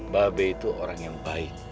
babe itu orang yang baik